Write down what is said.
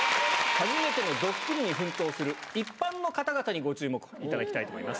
初めてのドッキリに奮闘する、一般の方々にご注目いただきたいと思います。